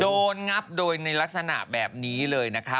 งับโดยในลักษณะแบบนี้เลยนะคะ